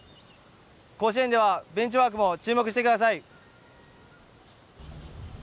甲子園ではベンチワークも注目してください。